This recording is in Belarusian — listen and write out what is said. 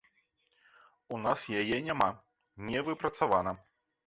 У нас яе няма, не выпрацавана.